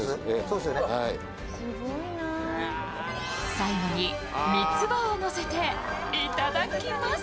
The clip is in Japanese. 最後にみつばをのせていただきます。